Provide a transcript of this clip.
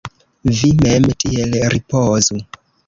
Vi mem tiel ripozu!